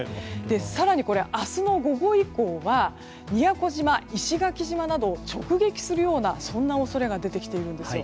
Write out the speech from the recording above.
更に、明日の午後以降は宮古島、石垣島などを直撃するような恐れが出てきているんですよ。